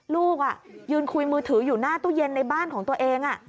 ลูกยืนคุยมือถืออยู่หน้าตู้เย็นในบ้านของตัวเอง